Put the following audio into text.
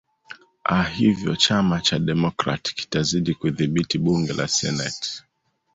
a hivyo chama cha democrat kitazidi kudhibiti bunge la senate